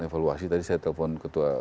evaluasi tadi saya telepon ketua